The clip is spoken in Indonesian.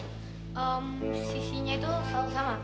hmm sisinya itu selalu sama